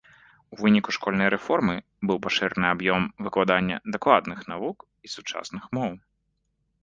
У выніку школьнай рэформы быў пашыраны аб'ём выкладання дакладных навук і сучасных моў.